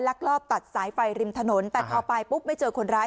ลักลอบตัดสายไฟริมถนนแต่พอไปปุ๊บไม่เจอคนร้าย